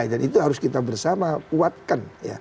dan itu harus kita bersama kuatkan